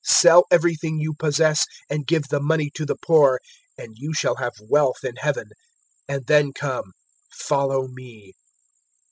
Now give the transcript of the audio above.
Sell everything you possess and give the money to the poor, and you shall have wealth in Heaven; and then come, follow me."